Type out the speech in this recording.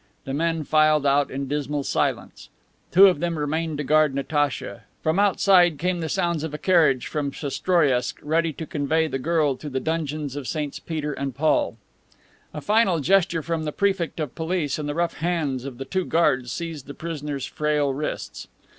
The men filed out in dismal silence. Two of them remained to guard Natacha. From outside came the sounds of a carriage from Sestroriesk ready to convey the girl to the Dungeons of Sts. Peter and Paul. A final gesture from the Prefect of Police and the rough bands of the two guards seized the prisoner's frail wrists.